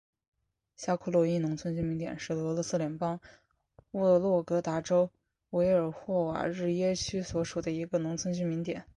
下库洛伊农村居民点是俄罗斯联邦沃洛格达州韦尔霍瓦日耶区所属的一个农村居民点。